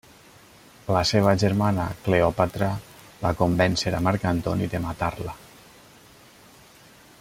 La seva germana Cleòpatra va convèncer a Marc Antoni de matar-la.